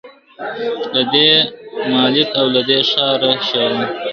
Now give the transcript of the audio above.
له دې مالت او له دې ښاره شړم !.